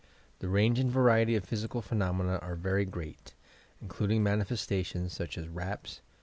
The range and variety of physical phenomena are very great, including manifestations such as: raps.